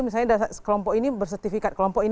misalnya kelompok ini bersertifikat kelompok ini